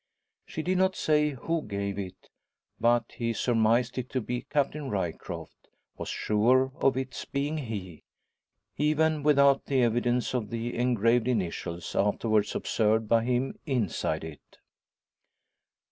She did not say who gave it, but he surmised it to be Captain Ryecroft was sure of its being he even without the evidence of the engraved initials afterwards observed by him inside it.